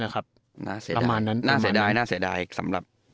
อะครับอย่างนั้นน่าเสียดายมานั้นน่าเสียดายสำหรับ